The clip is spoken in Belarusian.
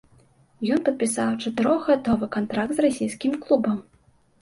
Ён падпісаў чатырохгадовы кантракт з расійскім клубам.